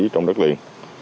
trong đất liền